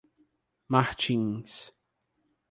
Martins